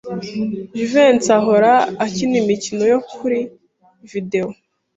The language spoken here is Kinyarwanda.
Jivency ahora akina imikino yo kuri videwo.